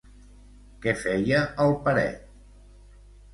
Què feia el Peret?